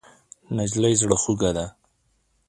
نجلۍ زړه خوږه ده.